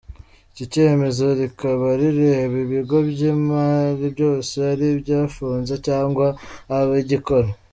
Iki cyemezo rikaba rireba Ibigo by’imari byose ari ibyafunze cyangwa ibigikora.